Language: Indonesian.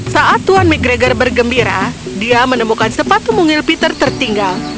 saat tuan mcgregor bergembira dia menemukan sepatu mungil peter tertinggal